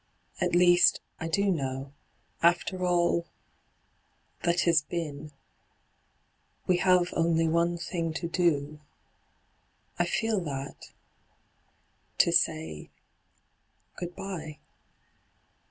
' At least, I do know. After all — that has been — we have only one thing to do — I feel that — to say — good bye.'